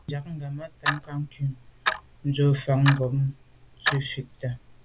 Njag ghammatat kà nkum ndùs’a nèn mfan bon ngab bo tswe fite là.